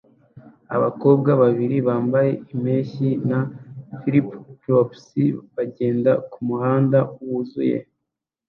Abakobwa babiri bambaye impeshyi na flip-flops bagenda kumuhanda wuzuye